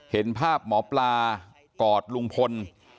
เห็นภาพหมอปลากอดลุงพล